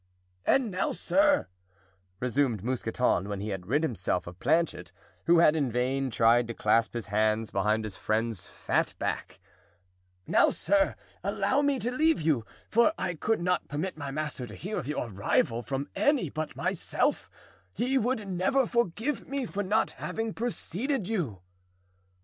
"And now, sir," resumed Mousqueton, when he had rid himself of Planchet, who had in vain tried to clasp his hands behind his friend's fat back, "now, sir, allow me to leave you, for I could not permit my master to hear of your arrival from any but myself; he would never forgive me for not having preceded you."